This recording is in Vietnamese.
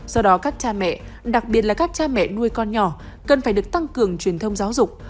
do đó các cha mẹ đặc biệt là các cha mẹ nuôi con nhỏ cần phải được tăng cường truyền thông giáo dục